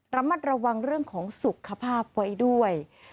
ระมัดระวังเรื่องของสุขภาพไว้ด้วย